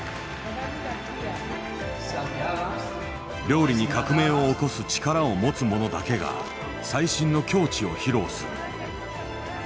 料理に革命を起こす力を持つ者だけが最新の境地を披露する。